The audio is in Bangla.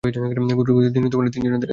ঘুরতে ঘুরতে তিনি তিনজনের দেখা পান।